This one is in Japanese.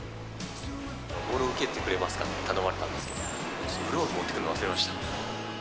ボールを受けてくれますか？って頼まれたんですけど、私、グローブを持ってくるの忘れました。